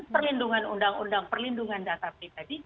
perlindungan undang undang perlindungan data pribadi